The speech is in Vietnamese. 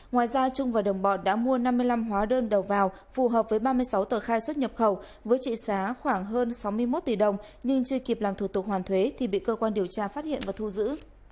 ngoài ra trung và đồng bọn đã mua năm mươi năm hóa đơn đầu vào phù hợp với ba mươi sáu tờ khai xuất nhập khẩu với trị giá khoảng hơn sáu mươi một tỷ đồng nhưng chưa kịp làm thủ tục hoàn thuế thì bị cơ quan điều tra phát hiện và thu giữ